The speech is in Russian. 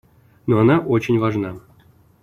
Но она очень важна.